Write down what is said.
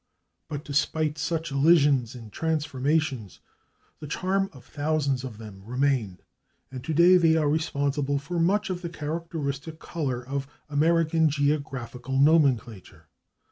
But, despite such elisions and transformations, the charm of thousands of them remained, and today they are responsible for much of the characteristic color of American geographical nomenclature.